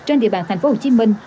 trên địa bàn thành phố hồ chí minh